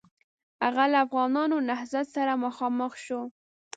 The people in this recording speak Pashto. هغه له افغانانو نهضت سره مخامخ شو.